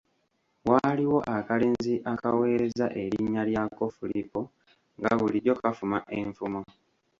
Waaliwo akalenzi akaweereza, erinnya lyako Fulipo nga bulijjo kafuma enfumo.